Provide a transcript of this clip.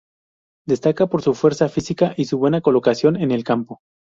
Destaca por su fuerza física y su buena colocación en el campo.